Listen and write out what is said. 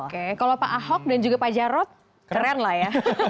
oke kalau pak ahok dan juga pak jarod keren lah ya